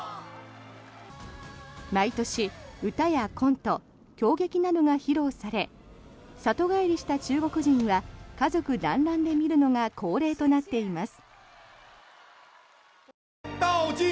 毎年、歌やコント京劇などが披露され里帰りした中国人は家族だんらんで見るのが恒例となっています。